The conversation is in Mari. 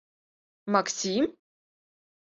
— Максим?